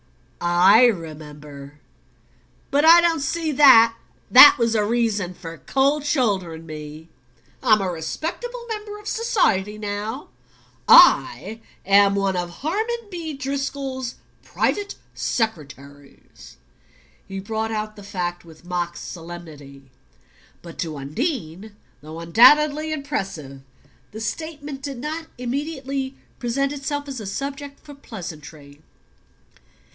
I remember. But I don't see that that was a reason for cold shouldering me. I'm a respectable member of society now I'm one of Harmon B. Driscoll's private secretaries." He brought out the fact with mock solemnity. But to Undine, though undoubtedly impressive, the statement did not immediately present itself as a subject for pleasantry.